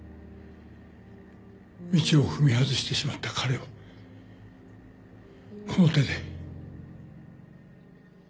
道を踏み外してしまった彼をこの手で。